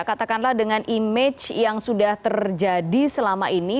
katakanlah dengan image yang sudah terjadi selama ini